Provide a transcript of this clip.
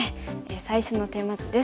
最初のテーマ図です。